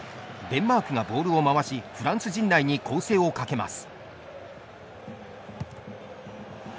デンマークがボールを回しフランス陣内に攻勢をかけます。